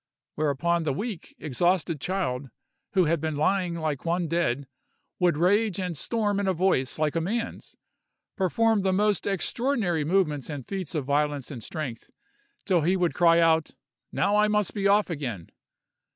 Whereupon the weak, exhausted child, who had been lying like one dead, would rage and storm in a voice like a man's, perform the most extraordinary movements and feats of violence and strength, till he would cry out, "Now I must be off again!"